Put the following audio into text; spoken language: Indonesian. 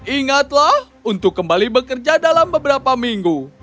ingatlah untuk kembali bekerja dalam beberapa minggu